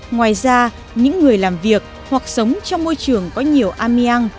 ngoài ra những người làm việc hoặc sống trong môi trường có nhiều ameang